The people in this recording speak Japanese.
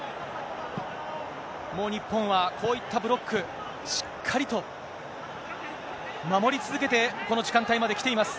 もう日本は、こういったブロック、しっかりと守り続けて、この時間帯まで来ています。